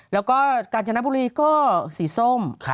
แล้วก็กาญจนบุรีก็สีส้ม